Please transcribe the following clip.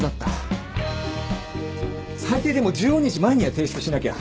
最低でも１５日前には提出しなきゃ。